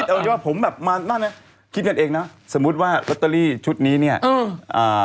เอาอย่างงี้ว่าผมแบบมานั่นนะคิดกันเองนะสมมุติว่ารัตเตอรี่ชุดนี้เนี้ยอืม